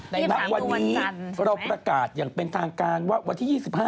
ณวันนี้เราประกาศอย่างเป็นทางการว่าวันที่๒๕